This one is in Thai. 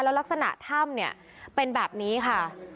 แล้วลักษณะถ้ำเนี่ยเป็นแบบนี้ค่ะ